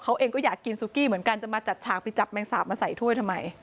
เขาเองก็อยากกินซูกี้เหมือนกันจะมาจัดฉากไปจับแมงสาบมาใส่ถ้วยทำไม